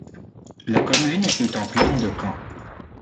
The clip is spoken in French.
La commune est en plaine de Caen.